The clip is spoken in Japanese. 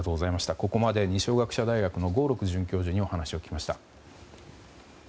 ここまで二松学舎大学の合六強准教授にお話を聞きました。